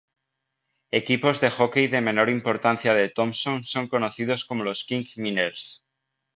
Equipos de hockey de menor importancia de Thompson son conocidos como los "King Miners".